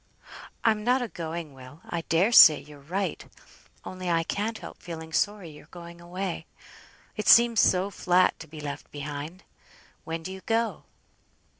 "I'm not a going, Will. I dare say you're right; only I can't help feeling sorry you're going away. It seems so flat to be left behind. When do you go?"